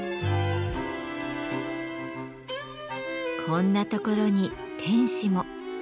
こんなところに天使も。